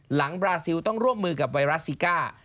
บราซิลต้องร่วมมือกับไวรัสซิก้า